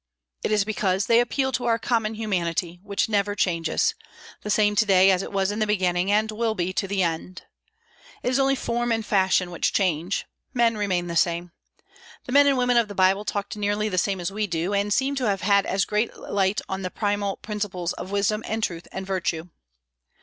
It is because they appeal to our common humanity, which never changes, the same to day as it was in the beginning, and will be to the end. It is only form and fashion which change; men remain the same. The men and women of the Bible talked nearly the same as we do, and seem to have had as great light on the primal principles of wisdom and truth and virtue.